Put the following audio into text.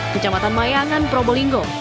kecamatan mayangan probolinggo